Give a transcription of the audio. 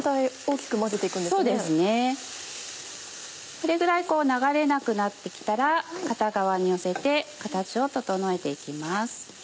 これぐらい流れなくなって来たら片側に寄せて形を整えて行きます。